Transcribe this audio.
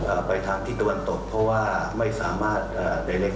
อ่าไปทางที่ตะวันตกเพราะว่าไม่สามารถเอ่อใดใน